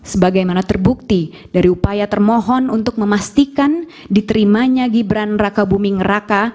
sebagaimana terbukti dari upaya termohon untuk memastikan diterimanya gibran raka buming raka